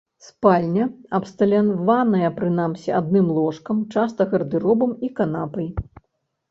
Спальня абсталяваная прынамсі адным ложкам, часта гардэробам і канапай.